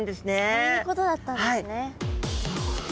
そういうことだったんですね。